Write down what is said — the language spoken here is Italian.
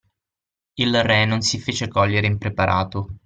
Il re non si fece cogliere impreparato